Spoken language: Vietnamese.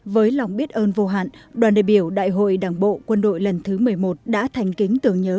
với lòng biết ơn vô hạn đoàn đại biểu đại hội đảng bộ quân đội lần thứ một mươi một đã thành kính tưởng nhớ